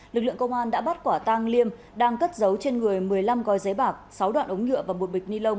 lực lượng công an đã bắt quả tang liêm đang cất giấu trên người một mươi năm gói giấy bạc sáu đoạn ống nhựa và một bịch ni lông